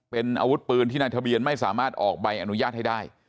เป็นอาวุธปืนที่นายทะเบียนไม่สามารถออกใบอนุญาตให้ได้